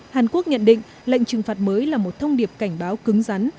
hàn quốc nhận định lệnh trừng phạt mới là một thông điệp cảnh báo cứng rắn